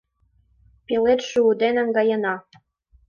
Пелед шуыде наҥгаена.